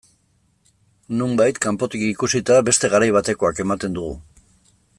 Nonbait, kanpotik ikusita, beste garai batekoak ematen dugu.